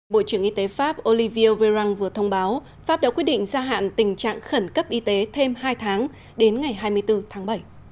bộ trưởng y tế pháp olivier véran vừa thông báo pháp đã quyết định gia hạn tình trạng khẩn cấp y tế thêm hai tháng đến ngày hai mươi bốn tháng bảy